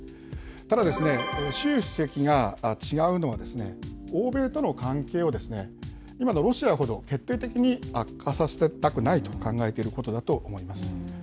ただですね、習主席が違うのは、欧米との関係を、今のロシアほど決定的に悪化させたくないと考えていることだと思います。